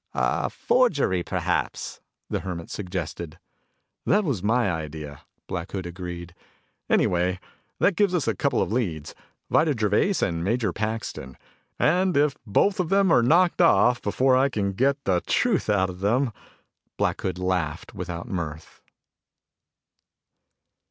"A forgery, perhaps," the Hermit suggested. "That was my idea," Black Hood agreed. "Anyway, that gives us a couple of leads Vida Gervais and Major Paxton. And if both of them are knocked off before I can get the truth out of them " Black Hood laughed without mirth.